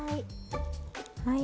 はい。